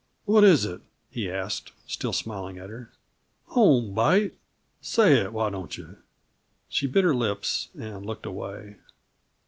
"What is it?" he asked, still smiling at her. "I won't bite. Say it, why don't you?" She bit her lips and looked away.